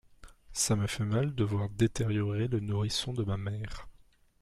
Ca me fait mal de voir détériorer le nourrisson de ma mère.